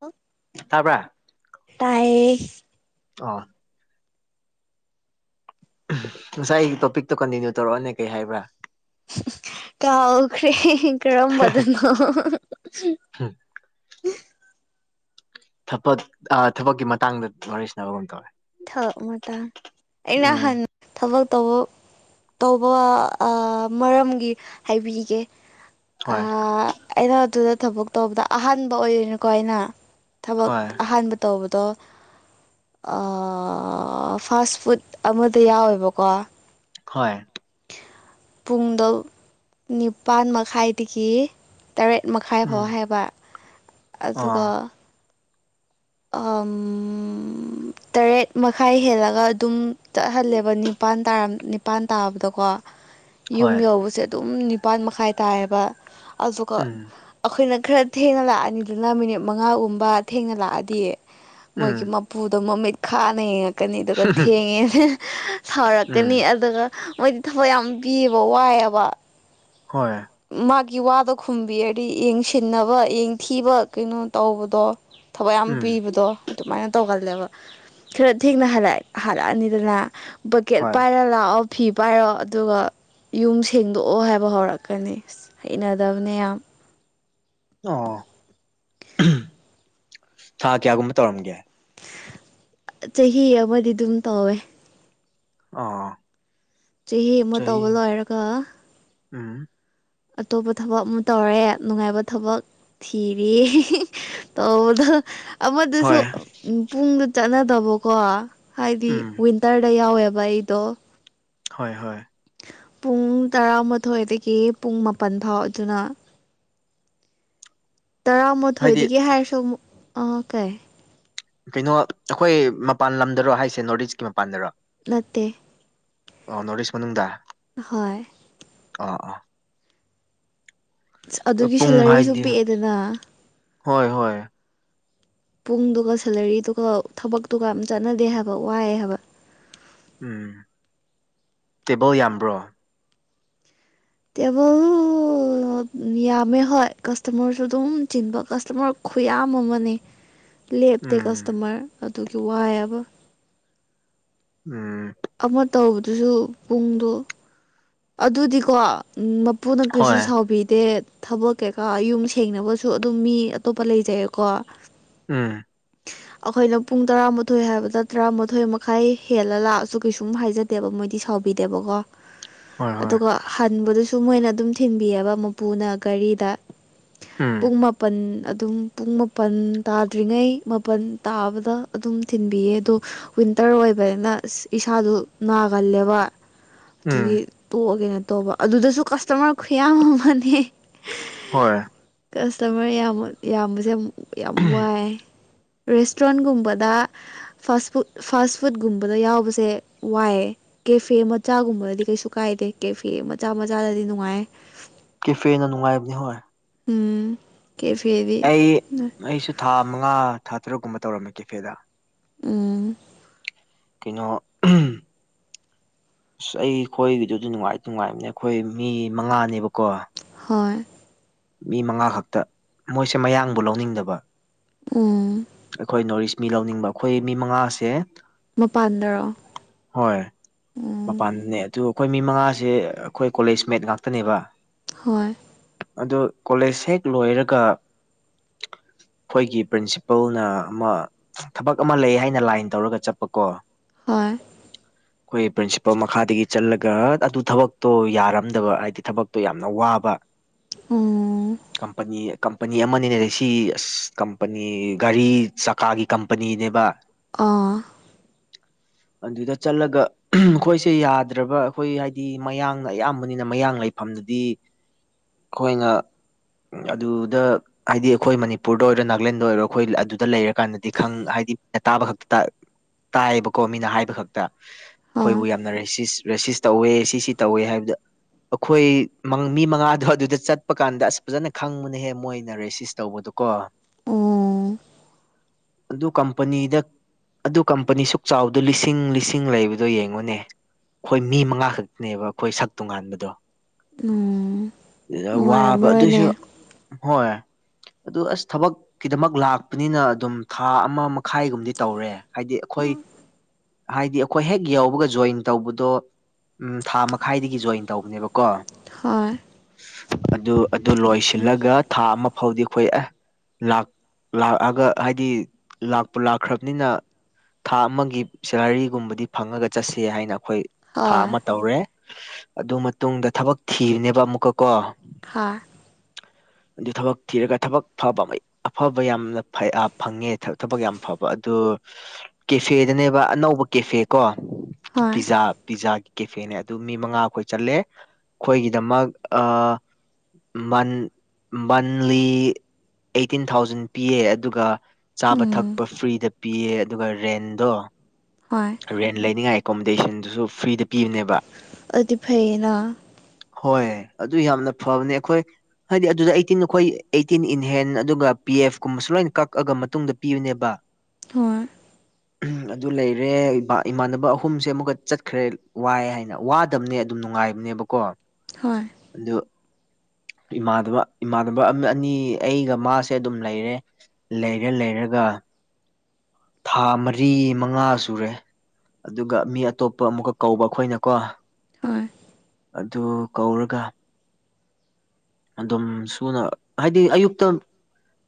ꯍꯥ ꯇꯥꯄꯥ ꯑ ꯉꯁꯥꯏꯒꯤ ꯇꯣꯄꯤꯛꯇꯣ ꯀꯟꯇꯤꯅꯌꯨ ꯇꯧꯔꯛꯑꯅꯦ ꯀꯩ ꯍꯥꯏꯕ꯭ꯔꯥ ꯀꯈ꯭ꯔꯦ ꯀꯔꯝꯝꯕꯗꯅꯣ ꯊꯕꯛ ꯊꯕꯛꯀꯤ ꯃꯇꯥꯡꯗ ꯋꯥꯔꯤꯔꯤꯁꯅꯕꯒꯨꯝ ꯇꯧꯋꯦ ꯊꯕꯛ ꯃꯇꯥꯡ ꯑꯩꯅ ꯎꯝ ꯍꯥꯟ ꯊꯕꯛ ꯇꯧꯕ ꯇꯧꯕ ꯃꯔꯝꯒꯤ ꯍꯥꯏꯕꯤꯔꯤꯒꯦ ꯍꯣꯏ ꯑꯩꯅ ꯑꯗꯨꯗ ꯊꯕꯛ ꯇꯧꯕꯗ ꯑꯍꯥꯟꯕ ꯑꯣꯏꯗꯣꯏꯅꯀꯣ ꯑꯩꯅ ꯊꯕꯛ ꯍꯣꯏ ꯑꯍꯥꯟꯕ ꯇꯧꯕꯗꯣ ꯐꯥꯁ ꯐꯨꯗ ꯑꯃꯗ ꯌꯥꯎꯋꯦꯕꯀꯣ ꯍꯣꯏ ꯄꯨꯡꯗ ꯅꯤꯄꯥꯥꯟ ꯃꯈꯥꯏꯗꯒꯤ ꯇꯔꯦꯠ ꯃꯈꯥꯏ ꯐꯥꯎ ꯎꯝ ꯍꯥꯏꯕ ꯑꯥ ꯑꯗꯨꯒ ꯇꯔꯦꯠ ꯃꯈꯥꯏ ꯍꯦꯜꯂꯒ ꯑꯗꯨꯝ ꯆꯠꯍꯜꯂꯦꯕ ꯅꯤꯄꯥꯟ ꯅꯤꯄꯜ ꯇꯥꯕꯗꯀꯣ ꯌꯨꯝ ꯍꯣꯏ ꯌꯧꯕꯁꯦ ꯑꯗꯨꯝ ꯅꯤꯄꯥꯥꯟ ꯃꯈꯥꯏ ꯇꯥꯏꯌꯦꯕ ꯑꯗꯨꯒ ꯎꯝ ꯑꯩꯈꯣꯏꯅ ꯈꯔ ꯊꯦꯡꯅ ꯂꯥꯛꯑꯅꯤꯗꯨꯅ ꯃꯤꯅꯤꯠ ꯃꯉꯥꯒꯨꯝꯕ ꯊꯦꯡꯅ ꯂꯥꯛꯑꯗꯤ ꯎꯝ ꯃꯣꯏꯒꯤ ꯎꯄꯨꯗꯣ ꯃꯃꯤꯠ ꯈꯥꯅ ꯌꯦꯡꯉꯛꯀꯅꯤ ꯑꯗꯨꯒ ꯊꯦꯡꯉꯦꯅ ꯎꯝ ꯁꯥꯥꯎꯔꯛꯀꯅꯤ ꯑꯗꯨꯒ ꯃꯣꯏꯗꯤ ꯊꯕꯛ ꯌꯥꯝ ꯄꯤꯌꯦꯕ ꯋꯥꯏꯑꯕ ꯍꯣꯏ ꯃꯥꯒꯤ ꯋꯥꯗꯣ ꯈꯨꯝꯕꯤꯔꯗꯤ ꯌꯦꯡꯁꯤꯟꯅꯕ ꯌꯦꯡꯊꯤꯕ ꯀꯩꯅꯣ ꯇꯧꯕꯗꯣ ꯊꯕꯛ ꯌꯥꯝ ꯎꯝ ꯄꯤꯕꯗꯣ ꯑꯗꯨꯃꯥꯏꯅ ꯇꯧꯒꯜꯂꯦꯕ ꯈꯔ ꯊꯦꯡꯅꯜꯂꯑꯦ ꯍꯜꯂꯛꯑꯅꯤꯗꯅ ꯕꯛꯀꯦꯠ ꯍꯣꯏ ꯄꯥꯏꯔ ꯂꯥꯛꯑꯣ ꯐꯤ ꯄꯥꯏꯔꯣ ꯑꯗꯨꯒ ꯌꯨꯝ ꯁꯦꯡꯗꯣꯛꯑꯣ ꯍꯥꯏꯕ ꯍꯧꯔꯛꯀꯦ ꯀꯅꯤ [unintelligible] ꯍꯩꯅꯗꯕꯅ ꯌꯥꯝ ꯑꯣ ꯊ ꯀꯌꯥꯒꯨꯝꯕ ꯇꯧꯔꯝꯒꯦ ꯆꯍꯤ ꯑꯃꯗꯤ ꯑꯗꯨꯝ ꯇꯧꯋꯦ ꯑꯥ ꯆꯦꯍ ꯃ ꯇꯥꯎꯕ ꯂ ꯍꯥꯏꯔꯒ ꯎꯝ ꯑꯇꯣꯞꯄ ꯊꯕꯛ ꯑꯃ ꯇꯧꯔꯦ ꯅꯨꯡꯉꯥꯏꯕ ꯊꯕꯛ ꯊꯤꯔꯤꯌꯦ ꯇꯧꯗꯣ ꯑꯃꯗꯨꯁꯨ ꯍꯣꯏ ꯄꯨꯡꯗ ꯆꯠꯅꯗꯕꯀꯣ ꯍꯥꯏꯗꯤ ꯎꯝ ꯋꯤꯟ ꯇꯔꯗ ꯌꯥꯎꯋꯦꯕ ꯑꯩꯗꯣ ꯍꯣꯏ ꯍꯣꯏ ꯄꯨꯡ ꯇꯔꯥꯃꯥꯊꯣꯏꯗꯒꯤ ꯄꯨꯡ ꯃꯥꯄꯜ ꯐꯥꯎ ꯑꯗꯨꯅ ꯍꯥꯏꯗꯤ ꯇꯔꯥꯃꯥꯊꯣꯏꯗꯒꯤ ꯍꯥꯏꯔꯁꯨ ꯑꯃꯨꯛ ꯑꯥ ꯀꯩ ꯀꯩꯅꯣ ꯑꯩꯈꯣꯏ ꯃꯄꯥꯟ ꯂꯝꯗꯔꯣ ꯍꯥꯏꯁꯦ ꯅꯣ꯭ꯔꯠ ꯏꯁꯀꯤ ꯃꯄꯥꯟꯗꯔꯣ ꯅꯠꯇꯦ ꯑꯣ ꯅꯣꯔꯠ ꯏꯁ ꯃꯅꯨꯡꯗ ꯍꯣꯏ ꯑꯣꯑꯣ ꯑꯥ ꯑꯗꯨꯒꯤ ꯄꯨꯡ ꯁꯦꯂꯔꯤꯁꯨ ꯍꯥꯏꯗꯤ ꯄꯤꯛꯑꯦꯗꯅ ꯍꯣꯏ ꯍꯣꯏ ꯄꯨꯡꯗꯨꯒ ꯁꯦꯂꯔꯤꯗꯨꯒ ꯊꯕꯛꯇꯨꯒ ꯑꯃ ꯆꯥꯟꯅꯗꯦ ꯍꯥꯏꯕ ꯋꯥꯏꯑ ꯍꯥꯏꯕ ꯎꯝ ꯇꯦꯕꯜ ꯌꯥꯝꯕ꯭ꯔꯣ ꯇꯦꯕꯜ ꯌꯥꯝꯃꯦ ꯍꯣꯏ ꯀꯁꯇꯃꯔꯁꯨ ꯑꯗꯨꯝ ꯆꯤꯟꯕ ꯀꯁꯇꯃꯔ ꯈꯨꯌꯥꯝ ꯑꯃꯅꯦ [inaudible] ꯂꯦꯞꯇꯦ ꯎꯝ ꯀꯁꯇꯣꯃꯔ ꯑꯗꯨꯒꯤ ꯋꯥꯏꯕ ꯎꯝ ꯑꯃ ꯇꯧꯕꯗꯨꯁꯨ ꯄꯨꯡꯗꯣ ꯑꯗꯨꯗꯤꯀꯣ ꯃꯄꯨꯅ ꯀꯩꯁꯨ ꯍꯣꯏ ꯁꯥꯎꯕꯤꯗꯦ ꯊꯕꯛ ꯀꯩꯀꯥ ꯌꯨꯝ ꯁꯦꯡꯅꯕꯁꯨ ꯑꯗꯨꯝ ꯃꯤ ꯑꯇꯣꯞꯄ ꯂꯩꯖꯩꯌꯦꯀꯣ ꯎꯝ ꯑꯩꯈꯣꯏꯅ ꯄꯨꯡ ꯇꯔꯥꯃꯥꯊꯣꯏ ꯍꯥꯏꯕꯗ ꯇꯔꯥꯃꯥꯊꯣꯏ ꯃꯈꯥꯏ ꯍꯦꯜꯂ ꯂꯥꯛꯑꯁꯨ ꯀꯩꯁꯨꯝ ꯍꯥꯏꯖꯗꯦ ꯗꯦꯕ ꯃꯣꯏꯗꯤ ꯁꯥꯎꯕꯤꯗꯦꯕꯀꯣ ꯍꯣꯏ ꯍꯣꯏ ꯑꯗꯨꯒ ꯍꯟꯕꯗꯨꯁꯨ ꯃꯣꯏꯅ ꯑꯗꯨꯝ ꯊꯤꯟꯕꯤꯑꯧꯕ ꯃꯄꯨꯅ ꯒꯥꯔꯤꯗ ꯎꯝ ꯄꯨꯡ ꯃꯥꯄꯜ ꯑꯗꯨꯝ ꯄꯨꯡ ꯃꯥꯄꯜ ꯇꯥꯗ꯭ꯔꯤꯉꯩ ꯃꯥꯄꯜ ꯇꯥꯕꯗ ꯑꯗꯨꯝ ꯊꯤꯟꯕꯤꯌꯦ ꯑꯗꯣ ꯋꯤꯟꯇꯔ ꯑꯣꯏꯕꯅꯤꯅ ꯏꯁꯥꯗꯨ ꯅꯥꯒꯜꯂꯦꯕ ꯑꯗꯨꯒꯤ ꯎꯝ ꯇꯣꯛꯑꯒꯦꯅ ꯇꯧꯕ ꯑꯗꯨꯗꯁꯨ ꯀꯁꯇꯃꯔ ꯈꯨꯌꯥꯝ ꯑꯃꯅꯦ ꯍꯣꯏ ꯀꯁꯇꯃꯔ ꯌꯥꯝ ꯌꯥꯝꯕꯁꯦ ꯌꯥꯝ ꯌꯥꯝ ꯋꯥꯏ ꯔꯦꯁꯇ꯭ꯔꯣꯟꯒꯨꯝꯕꯗ ꯐꯥꯁ ꯐꯨꯗ ꯐꯥꯁ ꯐꯨꯗ ꯀꯨꯝꯕꯗ ꯌꯥꯎꯕꯁꯦ ꯋꯥꯏꯑꯦ ꯀꯦꯐꯦ ꯃꯆꯥꯒꯨꯝꯕꯗꯗꯤ ꯀꯩꯁꯨ ꯀꯥꯏꯗꯦ ꯀꯦꯐꯤ ꯃꯆꯥ ꯃꯆꯥꯗꯗꯤ ꯅꯨꯡꯉꯥꯏ ꯀꯦꯐꯦꯅ ꯅꯨꯡꯉꯥꯏꯕꯅꯤ ꯍꯣꯏ ꯎꯝ ꯀꯦꯐꯦꯗ ꯑꯩ ꯑꯩꯁꯨ ꯊꯥ ꯃꯉꯥ ꯊꯥ ꯇꯔꯨꯛꯀꯨꯝꯕ ꯇꯧꯔꯝꯃꯦ ꯀꯦꯐꯦꯗ ꯎꯝ ꯀꯩꯅꯣ ꯑꯁ ꯑꯩꯈꯣꯏꯒꯤꯗꯨꯗꯤ ꯅꯨꯡꯉꯥꯏ ꯅꯨꯡꯉꯥꯏꯕꯅꯦ ꯑꯩꯈꯣꯏ ꯃꯤ ꯃꯉꯥꯅꯦꯕꯀꯣ ꯍꯣꯏ ꯃꯤ ꯃꯉꯥ ꯈꯛꯇ ꯃꯣꯏꯁꯦ ꯃꯌꯥꯡꯕꯨ ꯂꯧꯅꯤꯡꯗꯕ ꯎꯝ ꯑꯩꯈꯣꯏ ꯅꯣꯔ ꯏꯁ ꯃꯤ ꯂꯧꯅꯤꯡꯕ ꯑꯩꯈꯣꯏ ꯃꯤ ꯃꯉꯥꯁꯦ ꯃꯄꯥꯟꯗꯔꯣ ꯍꯣꯏ ꯎꯝ ꯃꯄꯥꯟꯗꯅꯦ ꯑꯗꯨ ꯑꯩꯈꯣꯏ ꯃꯤ ꯃꯉꯥꯁꯦ ꯑꯩꯈꯣꯏ ꯀꯣꯂꯦꯖ ꯃꯦꯠ ꯉꯥꯛꯇꯅꯦꯕ ꯍꯣꯏ ꯑꯣ ꯀꯣꯂꯦꯖ ꯍꯦꯛ ꯂꯣꯏꯔꯒ ꯑꯩꯈꯣꯏꯒꯤ ꯄ꯭ꯔꯤꯟꯁꯤꯄꯜꯅ ꯑꯃ ꯊꯕꯛ ꯑꯃ ꯂꯩ ꯍꯥꯏꯅ ꯂꯥꯏꯟ ꯇꯧꯔꯒ ꯆꯠꯄꯀꯣ ꯍꯣꯏ [inaudible] ꯑꯩꯈꯣꯏ ꯄ꯭ꯔꯤꯟꯁꯤꯄꯥꯜ ꯃꯈꯥꯗꯒꯤ ꯆꯠꯂꯒ ꯑꯗꯨ ꯊꯕꯛꯇꯣ ꯌꯥꯔꯝꯗꯕ ꯍꯥꯏꯗꯤ ꯊꯕꯛꯇꯣ ꯌꯥꯝꯅ ꯋꯥꯕ ꯎꯝ ꯀꯝꯄꯅꯤ ꯀꯝꯄꯅꯤ ꯑꯃꯅꯦ ꯁꯤ ꯑꯁ ꯀꯝꯄꯅꯤ ꯒꯥꯔꯤ ꯆꯀꯥꯒꯤ ꯀꯝꯄꯅꯤꯅꯦꯕ ꯑꯥ [inaudible] ꯑꯗꯨꯗ ꯆꯠꯂꯒ ꯃꯈꯈꯣꯏꯁꯦ ꯌꯥꯗ꯭ꯔꯕ ꯑꯩꯈꯣꯏ ꯍꯥꯏꯗꯤ ꯃꯌꯥꯡꯅ ꯑꯌꯥꯝꯕꯅꯤꯅ ꯃꯌꯥꯡ ꯂꯩ ꯃꯐꯝꯗꯨꯗꯤ ꯑꯩꯈꯣꯏꯅ ꯑꯗꯨꯗ ꯍꯥꯏꯗꯤ ꯑꯩꯈꯣꯏ ꯃꯅꯤꯄꯨꯔꯗ ꯑꯣꯏꯔꯣ ꯅꯥꯒꯂꯦꯟꯗ ꯑꯣꯏꯔꯣ ꯑꯩꯈꯣꯏ ꯑꯗꯨꯗ ꯂꯩꯔꯀꯥꯟꯗꯗꯤ ꯈꯪ ꯍꯥꯏꯗꯤ ꯇꯥꯕ ꯈꯛꯇ ꯇꯥꯏꯌꯦꯕꯀꯣ ꯃꯤꯅ ꯍꯥꯏꯕ ꯈꯛꯇ ꯍꯣꯏ ꯑꯩꯈꯣꯏꯕꯨ ꯌꯥꯝꯅ ꯔꯦꯁꯤꯁꯇ꯭ ꯇꯧꯋꯦ ꯁꯤꯁꯤ ꯇꯧꯋꯦ ꯍꯥꯏꯕꯗ ꯑꯩꯈꯣꯏ ꯃꯤ ꯃꯉꯥꯗꯣ ꯑꯗꯨꯗ ꯆꯠꯄ ꯀꯥꯟꯗ ꯑꯁ ꯐꯖꯅ ꯈꯪꯕꯅꯍꯦ ꯃꯣꯏꯅ ꯔꯦꯁꯤꯁ ꯇꯧꯕꯗꯣ ꯀꯣ ꯑꯣ ꯑꯗꯨ ꯀꯝꯄꯅꯤꯗ ꯑꯗꯨ ꯀꯝꯄꯅꯤ ꯁꯨꯛ ꯆꯥꯎꯕꯗꯣ ꯂꯤꯁꯤꯡ ꯂꯤꯁꯤꯡ ꯂꯩꯕꯗꯣ ꯌꯦꯡꯉꯨꯅꯦ ꯑꯩꯈꯣꯏ ꯃꯤ ꯃꯉꯥ ꯈꯛꯇꯅꯦꯕ ꯑꯩꯈꯣꯏ ꯁꯛ ꯇꯣꯉꯥꯟꯕꯗꯣ ꯎꯝ ꯋꯥꯕ ꯑꯗꯨꯏꯁꯨ ꯅꯨꯡꯉꯥꯏꯔꯝꯃꯔꯣꯏꯅꯦ ꯍꯣꯏ ꯑꯗꯨ ꯑꯁ ꯊꯕꯛꯀꯤꯗꯃꯛ ꯂꯥꯛꯄꯅꯤꯅ ꯑꯗꯨꯝ ꯊꯥ ꯑꯃ ꯃꯈꯥꯏꯒꯨꯝꯗꯤ ꯇꯧꯔꯦ ꯍꯥꯏꯗꯤ ꯑꯩꯈꯣꯏ ꯍꯥꯏꯗꯤ ꯑꯩꯈꯣꯏ ꯍꯦꯛ ꯌꯕꯒ ꯖꯣꯏꯟ ꯇꯧꯕꯗꯣ ꯎ ꯊꯥ ꯃꯈꯥꯏꯗꯒꯤ ꯖꯣꯏꯟ ꯇꯧꯕꯅꯦꯕꯀꯣ ꯍꯣꯏ ꯑꯗꯨ ꯑꯗꯨ ꯂꯣꯏꯁꯤꯜꯂꯒ ꯊꯥ ꯑꯃ ꯐꯥꯎꯗꯤ ꯑꯩꯈꯣꯏ ꯑꯦ ꯂꯥꯛꯑꯒ ꯍꯥꯏꯗꯤ ꯂꯥꯛꯄ ꯂꯥꯛꯈ꯭ꯔꯕꯅꯤꯅ ꯊꯥ ꯑꯃꯒꯤ ꯁꯦꯂꯔꯤꯒꯨꯝꯕꯗꯤ ꯐꯪꯉꯒ ꯆꯠꯁꯦ ꯍꯥꯏꯅ ꯑꯩꯈꯣꯏ ꯊꯥ ꯍꯣꯏ ꯑꯃ ꯇꯧꯔꯦ ꯑꯗꯨ ꯃꯇꯨꯡꯗ ꯊꯕꯛ ꯊꯤꯔꯤꯅꯦꯕ ꯑꯃꯨꯛꯀ ꯀꯣ ꯍꯥꯥ ꯑꯗꯨ ꯊꯕꯛ ꯊꯤꯔꯒ ꯊꯕꯛ ꯐꯕ ꯑꯐꯕ ꯌꯥꯝꯅ ꯐꯪꯉꯦ ꯊꯕꯛ ꯌꯥꯝ ꯐꯕ ꯑꯗꯨ ꯀꯦꯐꯦꯗꯅꯦꯕ ꯑꯅꯧꯕ ꯀꯦꯐꯦ ꯀꯣ ꯍꯣꯏ ꯄꯤꯖꯥ ꯄꯤꯖꯥꯒꯤ ꯀꯦꯐꯦꯅꯦ ꯑꯗꯨ ꯃꯤ ꯃꯉꯥ ꯑꯩꯈꯣꯏ ꯆꯠꯂꯦ ꯑꯩꯈꯣꯏꯒꯤꯗꯃꯛ ꯑ ꯃꯟꯂꯤ ꯑꯦꯇꯤꯟ ꯊꯥꯎꯖꯟ ꯄꯤꯌꯦ ꯑꯗꯨꯒ ꯆꯥꯕ ꯎꯝ ꯊꯛꯄ ꯐ꯭ꯔꯤꯗ ꯄꯤꯌꯦ ꯑꯗꯨꯒ ꯔꯦꯟꯗꯣ ꯍꯣꯏ ꯔꯦꯟ ꯂꯩꯅꯤꯡꯉꯥꯏ ꯑꯦꯀꯣꯃꯣꯗꯦꯁꯟꯗꯨꯁꯨ ꯐ꯭ꯔꯤꯗ ꯄꯤꯕꯅꯦꯕ ꯑꯗꯨꯗꯤ ꯐꯩꯅ ꯍꯣꯏ ꯑꯗꯨ ꯌꯥꯝꯅ ꯐꯕꯅꯦ ꯑꯩꯈꯣꯏ ꯍꯥꯏꯗꯤ ꯑꯗꯨꯗ ꯑꯩꯇꯤꯟ ꯑꯩꯈꯣꯏ ꯑꯩꯇꯤꯟ ꯏꯟꯍꯦꯟ ꯑꯗꯨꯒ ꯄꯤ ꯑꯦꯐ ꯀꯨꯝꯕꯁꯨ ꯂꯣꯏꯅ ꯀꯛꯑꯒ ꯃꯇꯨꯡꯗ ꯄꯤꯌꯨꯅꯦꯕ ꯍꯣꯏ ꯑꯗꯨ ꯂꯩꯔꯦ ꯏꯃꯥꯟꯅꯕ ꯑꯍꯨꯝꯁꯦ ꯑꯃꯨꯛꯀ ꯆꯠꯈ꯭ꯔꯦ ꯋꯥꯏ ꯍꯥꯏꯅ ꯆꯗꯕꯅꯦ ꯑꯗꯨꯝ ꯅꯨꯡꯉꯥꯏꯕꯅꯦꯕꯀꯣ ꯍꯣꯏ ꯑꯗꯨ ꯏꯃꯥꯟꯅꯕ ꯏꯃꯥꯟꯅꯕ ꯑꯅꯤ ꯑꯩꯒ ꯃꯥꯁꯦ ꯑꯗꯨꯝ ꯂꯩꯔꯦ ꯂꯩꯔ ꯂꯩꯔꯒ ꯊꯥ ꯃꯔꯤ ꯃꯉꯥ ꯁꯨꯔꯦ ꯑꯗꯨꯒ ꯃꯤ ꯑꯇꯣꯞꯄ ꯑꯃꯨꯛꯀ ꯀꯧꯕ ꯑꯩꯈꯣꯏꯅꯀꯣ ꯍꯣꯏ ꯑꯗꯨ ꯀꯧꯔꯒ ꯑꯗꯨꯝ ꯁꯨꯅ ꯍꯥꯏꯗꯤ ꯑꯌꯨꯛꯇ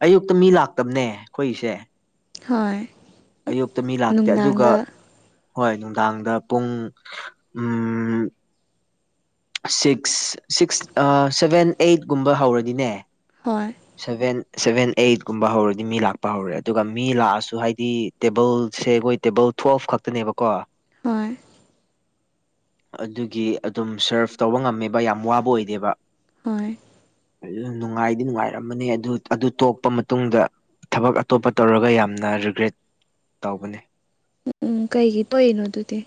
ꯑꯌꯨꯛꯇ ꯃꯤ ꯂꯥꯛꯇꯕꯅꯦ ꯑꯩꯈꯣꯏꯁꯦ ꯍꯣꯏ ꯑꯌꯨꯛꯇ ꯃꯤ ꯂꯥꯛꯇꯦ ꯑꯗꯨꯒ ꯅꯨꯡꯗꯥꯡꯗ ꯍꯣꯏ ꯅꯨꯡꯗꯥꯡꯗ ꯄꯨꯡ ꯁꯤꯛꯁ ꯁꯤꯛꯁ ꯁꯚꯦꯟ ꯑꯩꯠꯀꯨꯝꯕ ꯍꯧꯔꯗꯤꯅꯦ ꯍꯣꯏ ꯁꯚꯦꯟ ꯁꯚꯦꯟ ꯑꯩꯠꯀꯨꯝꯕ ꯍꯧꯔꯗꯤ ꯃꯤ ꯂꯥꯛꯄ ꯍꯧꯔꯦ ꯑꯗꯨꯒ ꯃꯤ ꯂꯥꯛꯑꯁꯨ ꯍꯥꯏꯗꯤ ꯇꯦꯕꯜꯁꯦ ꯑꯩꯈꯣꯏ ꯇꯦꯕꯜ ꯊꯣꯐ ꯈꯛꯇꯅꯦꯕꯀꯣ ꯍꯣꯏ ꯑꯗꯨꯒꯤ ꯑꯗꯨꯝ ꯁꯔꯞ ꯇꯧꯕ ꯉꯝꯃꯦꯕ ꯌꯥꯝ ꯋꯥꯕ ꯑꯣꯏꯗꯦꯕ ꯍꯣꯏ ꯑꯗꯨ ꯅꯨꯡꯉꯥꯏꯗꯤ ꯅꯨꯡꯉꯥꯏꯔꯝꯕꯅꯦ ꯑꯗꯨ ꯑꯗꯨ ꯇꯣꯛꯄ ꯃꯇꯨꯡꯗ ꯊꯕꯛ ꯑꯇꯣꯞꯄ ꯇꯧꯔꯒ ꯌꯥꯝꯅ ꯔꯤꯒ꯭ꯔꯦꯠ ꯇꯧꯕꯅꯦ ꯎꯝ ꯎꯝ ꯀꯩꯒꯤ ꯇꯣꯛꯏꯅꯣ ꯑꯗꯨꯗꯤ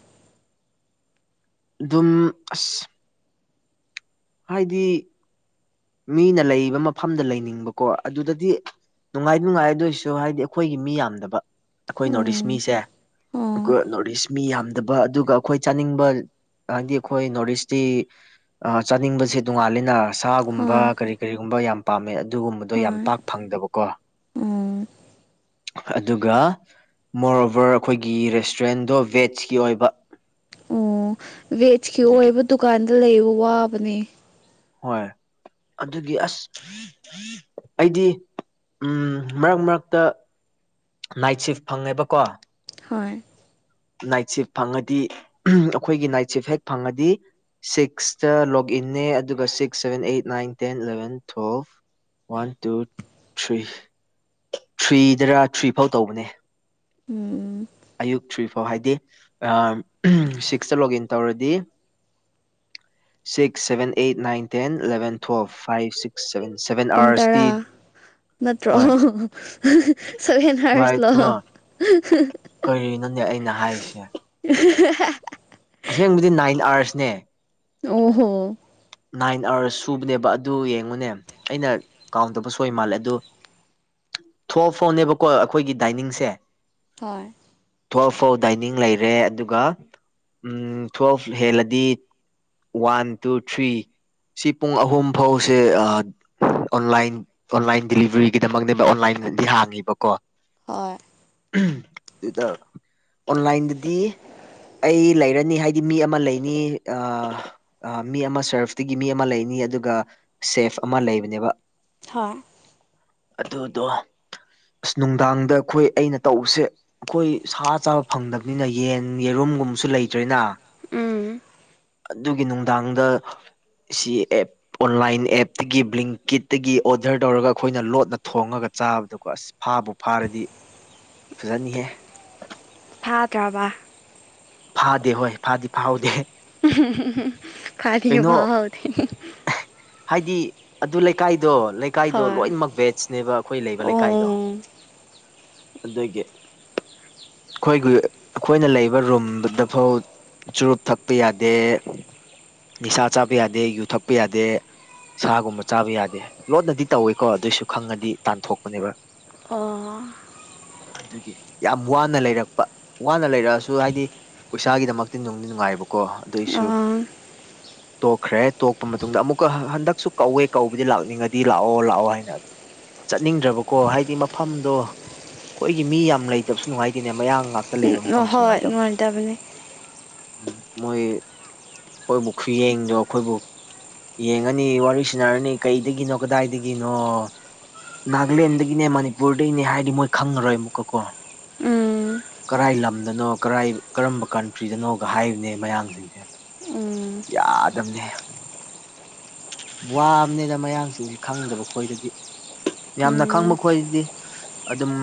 ꯑꯗꯨꯝ ꯑꯁ ꯍꯥꯏꯗꯤ ꯃꯤꯅ ꯂꯩꯕ ꯃꯐꯝꯗ ꯂꯩꯅꯤꯡꯕꯀꯣ ꯑꯗꯨꯗꯗꯤ ꯅꯨꯡꯉꯥꯏ ꯅꯨꯡꯉꯥꯏ ꯑꯗꯨꯏꯁꯨ ꯍꯥꯏꯗꯤ ꯑꯩꯈꯣꯏꯒꯤ ꯃꯤ ꯌꯥꯝꯗꯕ ꯑꯩꯈꯣꯏ ꯅꯣꯔꯠ ꯏꯁ ꯎꯝ ꯃꯤꯁꯦ ꯑꯣ ꯅꯣꯔꯠ ꯏꯁ ꯃꯤ ꯌꯥꯝꯗꯕ ꯑꯗꯨꯒ ꯑꯩꯈꯣꯏ ꯆꯥꯅꯤꯡꯕ ꯑꯗꯤ ꯑꯩꯈꯣꯏ ꯅꯣꯔꯠ ꯏꯁꯇꯤ ꯆꯥꯅꯤꯡꯕꯁꯦ ꯣꯡꯉꯥꯂꯦꯅ ꯁꯥꯒꯨꯝꯕ ꯍꯣꯏ ꯀꯔꯤ ꯀꯔꯤꯒꯨꯝꯕ ꯌꯥꯝ ꯄꯥꯝꯃꯦ ꯑꯗꯨꯒꯨꯝꯕꯗꯣ ꯌꯥꯝ ꯍꯣꯏ ꯄꯥꯛ ꯐꯪꯗꯕꯀꯣ ꯎꯝ ꯑꯗꯨꯒ ꯃꯣꯔꯣꯕꯔ ꯑꯩꯈꯣꯏꯒꯤ ꯔꯦꯁꯇꯨꯔꯦꯟꯗꯣ ꯕꯦꯖꯀꯤ ꯑꯣꯏꯕ ꯕꯦꯖꯀꯤ ꯑꯗꯨꯒꯤ ꯑꯣꯏꯕ ꯗꯨꯀꯥꯟꯗ ꯂꯩꯕ ꯋꯥꯕꯅꯦ ꯍꯣꯏ ꯑꯗꯨꯒꯤ ꯑꯁ ꯑꯩꯗꯤ ꯎꯝ ꯃꯔꯛ ꯃꯔꯛꯇ ꯅꯥꯏꯠ ꯁꯤꯐ ꯐꯪꯉꯦꯕꯀꯣ ꯍꯣꯏ ꯅꯥꯏꯠ ꯁꯤꯐ ꯐꯪꯉꯗꯤ ꯑꯩꯈꯣꯏꯒꯤ ꯅꯥꯏꯠ ꯁꯤꯐ ꯍꯦꯛ ꯐꯪꯉꯗꯤ ꯁꯤꯛꯁꯇ ꯂꯣꯒꯏꯟꯅꯦ ꯑꯗꯨꯒ six seven eight nine ten eleven twelve one two three ꯊ꯭ꯔꯤꯗꯔ ꯊ꯭ꯔꯤ ꯐꯥꯎ ꯇꯧꯕꯅꯦ ꯎꯝ ꯑꯌꯨꯛ ꯊ꯭ꯔꯤ ꯐꯥꯎ ꯍꯥꯏꯗꯤ ꯁꯤꯛꯁꯇ ꯂꯣꯒ ꯏꯟ ꯇꯧꯔꯗꯤ six seven eight nine ten eleven four five six ꯁꯦꯟ ꯁꯚꯦꯟ ꯄꯨꯡ ꯑꯥꯋꯔꯁꯇꯤ ꯇꯔꯥ ꯅꯠꯇ꯭ꯔꯣ ꯁꯚꯦꯟ ꯍꯔꯁ ꯂ ꯉꯥꯏꯈꯣ ꯀꯔꯤꯅꯣꯅꯦ ꯑꯩꯅ ꯍꯥꯏꯔꯤꯁꯦ ꯎ ꯑꯁꯦꯡꯕꯗꯤ ꯅꯥꯏꯟ ꯑꯥꯔꯁꯅꯦ ꯑꯣ ꯍꯣ ꯅꯥꯏꯟ ꯑꯥꯋꯥꯔꯁ ꯁꯨꯕꯅꯦꯕ ꯑꯗꯨ ꯌꯦꯡꯉꯨꯅꯦ ꯑꯩꯅ ꯀꯥꯎꯟ ꯇꯧꯕ ꯁꯣꯏ ꯃꯥꯜꯂꯦ ꯑꯗꯨ ꯊꯣꯛꯑ ꯐꯣꯅꯦꯕꯀꯣ ꯑꯩꯈꯣꯏꯒꯤ ꯗꯥꯏꯅꯤꯡꯁꯦ ꯍꯔ ꯇꯨꯋꯦꯜꯐ ꯐꯥꯎ ꯗꯥꯏꯅꯤꯡ ꯂꯩꯔꯦ ꯑꯗꯨꯒ ꯇꯨꯋꯦꯜꯐ ꯍꯦꯜꯂꯗꯤ ꯋꯥꯟ ꯇꯨ ꯊ꯭ꯔꯤ ꯁꯤ ꯄꯨꯡ ꯑꯍꯨꯝ ꯐꯥꯎꯁꯦ ꯑꯣꯟꯂꯥꯏꯟ ꯑꯣꯟꯂꯥꯏꯟ ꯗꯤꯂꯤꯚꯔꯤꯒꯤꯗꯃꯛꯅꯦꯕ ꯑꯣꯟꯂꯥꯏꯟꯗꯗꯤ ꯍꯥꯡꯉꯤꯕꯀꯣ ꯍꯣꯏ ꯑꯗꯨꯗ ꯑꯣꯟꯂꯥꯏꯟꯗꯗꯤ ꯑꯩ ꯂꯩꯔꯅꯤ ꯍꯥꯏꯗꯤ ꯃꯤ ꯑꯃ ꯂꯩꯅꯤ ꯃꯤ ꯑꯃ ꯁꯔꯐꯇꯒꯤ ꯃꯤ ꯑꯃ ꯂꯩꯅꯤ ꯑꯗꯨꯒ ꯁꯦꯐ ꯑꯃ ꯂꯩꯕꯅꯦꯕ ꯊ ꯑꯗꯨꯗꯣ ꯑꯁ ꯅꯨꯡꯗꯥꯡꯗ ꯑꯩꯈꯣꯏ ꯑꯩꯅ ꯇꯧꯕꯁꯦ ꯑꯩꯈꯣꯏ ꯁꯥ ꯆꯥꯕ ꯐꯪꯗꯕꯅꯤꯅ ꯌꯦꯟ ꯌꯦꯔꯨꯝꯒꯨꯝꯕꯁꯨ ꯂꯩꯇ꯭ꯔꯔꯤꯅ ꯎꯝ ꯑꯗꯨꯒꯤ ꯅꯨꯡꯗꯥꯡꯗ ꯁꯤ ꯑꯦꯞ ꯑꯣꯟꯂꯥꯏꯟ ꯑꯦꯞꯇꯒꯤ ꯕ꯭ꯂꯤꯡꯀꯤꯠꯇꯒꯤ ꯑꯣꯔꯗꯔ ꯇꯧꯔꯒ ꯑꯩꯈꯣꯏꯅ ꯂꯣꯠꯅ ꯊꯣꯡꯉꯒ ꯆꯥꯕꯗꯣꯀꯣ ꯑꯁ ꯐꯥꯕꯨ ꯐꯥꯔꯗꯤ ꯐꯖꯟꯍꯦ ꯐꯥꯗ꯭ꯔꯕ ꯐꯥꯗꯦ ꯍꯣꯏ ꯐꯥꯗꯤ ꯐꯥꯎꯗꯦ ꯐꯗꯤ ꯐꯥꯎꯥꯎ ꯊ ꯍꯥꯏꯗꯤ ꯑꯗꯨ ꯂꯩꯀꯥꯏꯗꯣ ꯂꯩꯀꯥꯏꯗꯣ ꯍꯣꯏ ꯂꯣꯏꯅꯃꯛ ꯕꯦꯖꯅꯦꯕ ꯑꯩꯈꯣꯏ ꯂꯩꯕ ꯂꯩꯀꯥꯏꯗꯣ ꯑꯣ ꯑꯗꯒꯤ ꯑꯩꯈꯣꯏꯒꯤ ꯑꯩꯈꯣꯏꯅ ꯂꯩꯕ ꯔꯨꯝꯗ ꯐꯥꯎ ꯆꯨꯔꯨꯞ ꯊꯛꯄ ꯌꯥꯗꯦ ꯅꯤꯁꯥ ꯆꯥꯕ ꯌꯥꯗꯦ ꯌꯨ ꯊꯛꯄ ꯌꯥꯗꯦ ꯁꯥꯒꯨꯝꯕ ꯆꯥꯕ ꯌꯥꯗꯦ ꯂꯣꯟꯠꯅꯗꯤ ꯇꯧꯋꯦꯀꯣ ꯑꯗꯨꯑꯣꯏꯁꯨ ꯈꯪꯉꯗꯤ ꯇꯥꯟꯊꯣꯛꯄꯅꯦꯕ ꯑꯣ ꯑꯗꯨꯒꯤ ꯌꯥꯝ ꯋꯥꯅ ꯂꯩꯔꯛꯄ ꯋꯥꯅ ꯂꯩꯔꯛꯑꯁꯨ ꯍꯥꯏꯗꯤ ꯄꯩꯁꯥꯒꯤꯗꯃꯛꯇꯤ ꯅꯨꯡꯗꯤ ꯅꯨꯡꯉꯥꯏꯕꯀꯣ ꯑꯗꯨꯏꯁꯨ ꯑꯣ ꯇꯣꯛꯈ꯭ꯔꯦ ꯂꯥꯛꯄ ꯃꯇꯨꯡꯗ ꯑꯃꯨꯛꯀ ꯍꯟꯗꯛꯁꯨ ꯀꯧꯋꯦ ꯀꯧꯕꯗꯤ ꯂꯥꯛꯅꯤꯡꯉꯗꯤ ꯂꯥꯛꯑꯣ ꯂꯥꯛꯑꯣ ꯍꯥꯏꯅ ꯑꯗꯨ ꯆꯠꯅꯤꯡꯗ꯭ꯔꯕꯀꯣ ꯍꯥꯏꯗꯤ ꯃꯐꯝꯗꯣ ꯑꯩꯈꯣꯏꯒꯤ ꯃꯤ ꯌꯥꯝ ꯂꯩꯇꯕꯁꯨ ꯅꯨꯡꯉꯥꯏꯇꯦꯅꯦ ꯃꯌꯥ ꯉꯥꯛꯇ ꯂꯩꯕ ꯃꯐꯝꯁꯨ ꯍꯣꯏ ꯅꯨꯡꯉꯥꯏꯇꯕꯅꯦꯦ ꯅꯨꯡꯉꯥꯏꯇꯕꯅꯦ ꯎꯝ ꯃꯣꯏ ꯑꯩꯈꯣꯏꯕꯨ ꯈꯨꯌꯦꯡꯗꯣ ꯑꯩꯈꯣꯏꯕꯨ ꯌꯦꯡꯉꯅꯤ ꯋꯥꯔꯤ ꯁꯅꯔꯅꯤ ꯀꯩꯗꯒꯤꯅꯣ ꯀꯗꯥꯏꯗꯒꯤꯅꯣ ꯅꯥꯒꯥꯂꯦꯟꯗꯒꯤꯅꯦ ꯃꯅꯤꯄꯨꯔꯗꯒꯤꯅꯦ ꯍꯥꯏꯗꯤ ꯃꯣꯏ ꯈꯪꯉꯔꯣꯏ ꯑꯃꯨꯛꯀ ꯀꯣ ꯎꯝ ꯀꯔꯥꯏ ꯂꯝꯗꯅꯣ ꯀꯔꯥꯏ ꯀꯔꯝꯕ ꯀꯟꯇ꯭ꯔꯤꯗꯅꯣꯒ ꯍꯥꯏꯕꯅꯦ ꯃꯌꯥꯡꯁꯤꯡꯁꯦ ꯎꯝ ꯌꯥꯗꯕꯅꯦ ꯋꯥꯕꯅꯦꯅ ꯃꯌꯥꯡ ꯆꯁꯤ ꯈꯪꯗꯕ ꯈꯣꯏꯗꯗꯤ ꯌꯥꯝꯅ ꯈꯪꯕ ꯎꯝ ꯈꯣꯏꯗꯗꯤ ꯑꯗꯨꯝ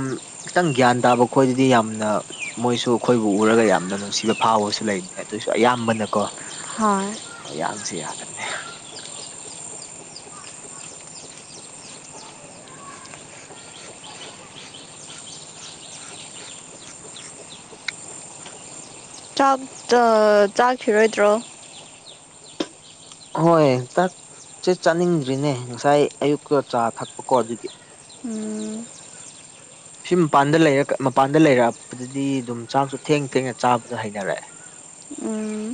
ꯈꯤꯇꯪ ꯒ꯭ꯌꯥꯟ ꯇꯥꯕ ꯈꯣꯏꯗꯗꯤ ꯌꯥꯝꯅ ꯃꯣꯏꯁꯨ ꯑꯩꯈꯣꯏꯕꯨ ꯎꯔꯒ ꯌꯥꯝꯅ ꯅꯨꯡꯁꯤꯕ ꯐꯥꯎꯕꯁꯨ ꯂꯩꯕꯅꯦ ꯑꯗꯨꯏꯁꯨ ꯑꯌꯥꯝꯕꯅꯀꯣ ꯍꯣꯏ ꯃꯌꯥꯡꯁꯦ ꯌꯥꯗꯕꯅꯦ ꯆꯥꯛ ꯆꯥꯈꯤꯔꯣꯏꯗ꯭ꯔꯣ ꯍꯣꯏ ꯆꯥꯛꯁꯦ ꯆꯥꯅꯤꯡꯗ꯭ꯔꯤꯅꯦ ꯉꯁꯥꯏ ꯑꯌꯨꯛꯇ ꯆꯥ ꯊꯛꯄꯀꯣ ꯑꯗꯨꯒꯤ ꯎꯝ [inaudible] ꯁꯤ ꯃꯄꯥꯟꯗ ꯂꯩꯔ ꯃꯄꯥꯟꯗ ꯂꯩꯔꯛꯄꯗꯗꯤ ꯑꯗꯨꯝ ꯆꯥꯛꯁꯨ ꯊꯦꯡ ꯊꯦꯡꯅ ꯆꯥꯕꯗ ꯍꯩꯅꯔꯛꯑꯦ ꯎꯝ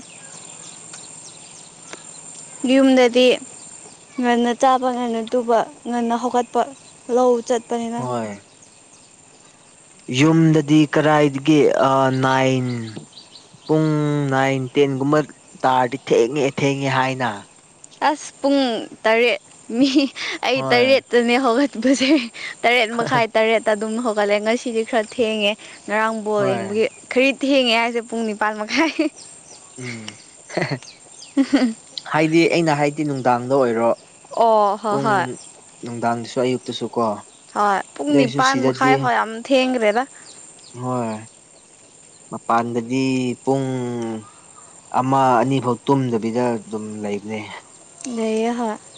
ꯌꯨꯝꯗꯗꯤ ꯉꯟꯅ ꯆꯥꯕ ꯉꯟꯅ ꯇꯨꯕ ꯉꯟꯅ ꯍꯧꯒꯠꯄ ꯂꯧ ꯆꯠꯄꯅꯤꯅ ꯍꯣꯏ ꯌꯨꯝꯗꯗꯤ ꯀꯔꯥꯏꯗꯒꯤ ꯑꯥ ꯅꯥꯏꯟ ꯄꯨꯡ ꯅꯥꯏꯟ ꯇꯦꯟꯒꯨꯝꯕ ꯇꯥꯔꯗꯤ ꯊꯦꯡꯉꯦ ꯊꯦꯡꯉꯦ ꯍꯥꯏꯅ ꯑꯁ ꯄꯨꯡ ꯇꯔꯦꯠ ꯃꯤ ꯑꯩ ꯍꯣꯏ ꯇꯔꯦꯠꯇꯅꯦ ꯍꯧꯒꯠꯄꯖꯦ ꯇꯔꯦꯠ ꯃꯈꯥꯏ ꯇꯔꯦꯠꯇ ꯑꯗꯨꯝ ꯍꯧꯒꯠꯂꯦ ꯉꯁꯤꯗꯤ ꯈꯔ ꯊꯦꯡꯉꯦ ꯉꯔꯥꯡ ꯕꯣꯜ ꯍꯣꯏ ꯌꯦꯡꯕꯒꯤ ꯈꯔꯤ ꯊꯦꯡꯉꯦ ꯍꯥꯏꯁꯦ ꯄꯨꯡ ꯅꯤꯄꯥꯜ ꯃꯈꯥꯏ ꯎꯝ ꯎꯝ ꯍꯥꯏꯗꯤ ꯑꯩꯅ ꯍꯥꯏꯗꯤ ꯅꯨꯡꯗꯥꯡꯗ ꯑꯣꯏꯔꯣ ꯑꯣ ꯍꯣꯏ ꯄꯨꯡ ꯍꯣꯏ ꯅꯨꯡꯗꯥꯡꯗꯁꯨ ꯑꯌꯨꯛꯇꯁꯨ ꯀꯣ ꯍꯣꯏ ꯄꯨꯡ ꯑꯗꯨꯏꯁꯨ ꯅꯤꯄꯥꯟ ꯃꯈꯥꯏ ꯁꯤꯗꯗꯤ ꯐꯥꯎ ꯑꯃ ꯊꯦꯡꯈ꯭ꯔꯦꯔ ꯍꯣꯏ ꯃꯄꯥꯟꯗꯗꯤ ꯄꯨꯡ ꯑꯃ ꯑꯅꯤ ꯐꯥꯎ ꯇꯨꯝꯗꯕꯤꯗ ꯑꯗꯨꯝ ꯂꯩꯕꯅꯦ [unintelligible]